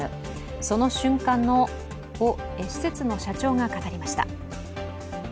その瞬間を施設の社長が語りました。